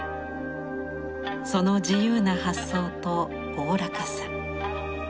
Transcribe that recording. その自由な発想とおおらかさ。